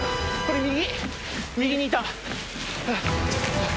右にいた。